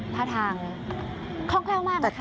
ผ้าทางค่องแคล่วมากค่ะ